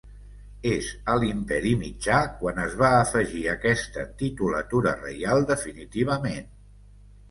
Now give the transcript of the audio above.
És a l'Imperi Mitjà quan es va afegir aquesta titulatura reial definitivament.